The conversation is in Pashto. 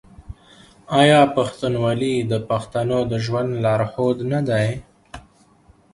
آیا پښتونولي د پښتنو د ژوند لارښود نه دی؟